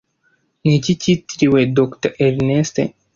Niki cyitiriwe Dr Ernest